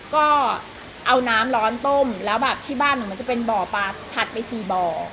ก็เอาน้ำร้อนต้มแล้วแบบที่บ้านหนูมันจะเป็นบ่อปลาถัดไปสี่บ่อ